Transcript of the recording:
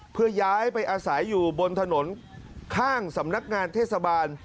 เพื่อย้ายไปอาศัยอยู่บนถนนข้างสำนักงานเทศบาล